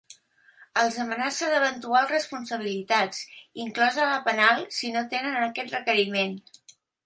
Els amenaça d’eventuals responsabilitats, inclosa la penal, si no atenen aquest requeriment.